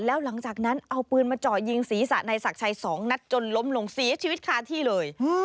แล้วหลังจากนั้นเอาปืนมาเจาะยิงศีรษะนายศักดิ์ชัย๒นัดจนล้มลงเสียชีวิตคาที่เลย